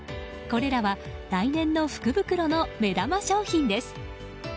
これらは来年の福袋の目玉商品です。